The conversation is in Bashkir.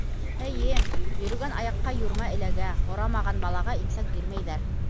Эйе, йөрөгән аяҡҡа йүрмә эләгә, һорамаған балаға имсәк бирмәйҙәр.